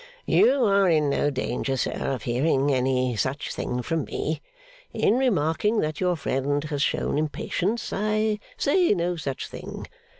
'You are in no danger, sir, of hearing any such thing from me. In remarking that your friend has shown impatience, I say no such thing.